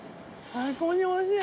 最高においしい。